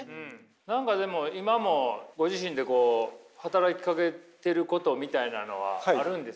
何かでも今もご自身で働きかけてることみたいなのはあるんですかね？